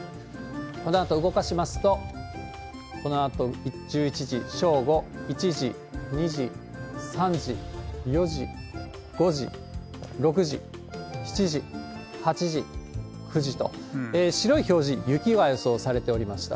このあと動かしますと、このあと１１時、正午、１時、２時、３時、４時、５時、６時、７時、８時、９時と、白い表示、雪が予想されておりました。